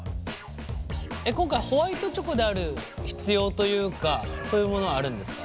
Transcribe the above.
今回ホワイトチョコである必要というかそういうものはあるんですか？